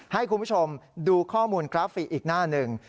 ให้คุณผู้ชมดูข้อมูลกราฟิกอีกหน้าหนึ่ง